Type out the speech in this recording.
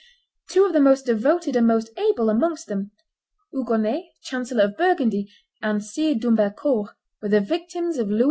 Two of the most devoted and most able amongst them, Hugonet, chancellor of Burgundy, and Sire d'Humbercourt, were the victims of Louis XI.